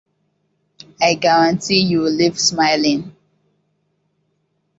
I guarantee you will leave smiling.